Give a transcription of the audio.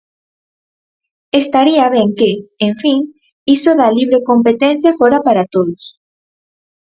Estaría ben que, en fin, iso da libre competencia fora para todos.